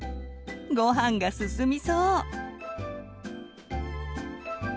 ごはんが進みそう！